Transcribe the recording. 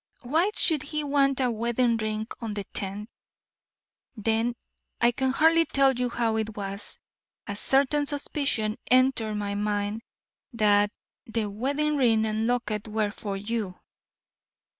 Why should he want a wedding ring on the tenth. Then I can hardly tell you how it was a certain suspicion entered my mind that the wedding ring and locket were for you!"